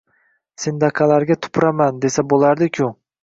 Sendaqalarga tupuraman desa boʻlardi-ku!